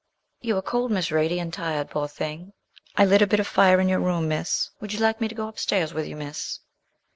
'You are cold, Miss Radie, and tired poor thing! I lit a bit of fire in your room, Miss; would you like me to go up stairs with you, Miss?'